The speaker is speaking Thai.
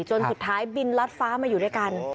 จนสุดท้ายบินรัดฟ้ามาอยู่ด้วยกัน